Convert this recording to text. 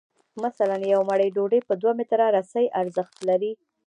مثلاً یوه مړۍ ډوډۍ په دوه متره رسۍ ارزښت لري